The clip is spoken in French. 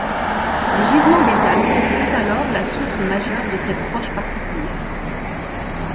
Les gisements des Alpes étaient alors la source majeure de cette roche particulière.